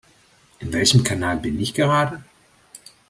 In welchem Kanal bin ich gerade?